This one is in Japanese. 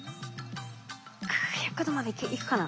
１００℃までいくかな？